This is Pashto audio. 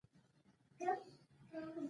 د بلخ په چمتال کې د تیلو نښې شته.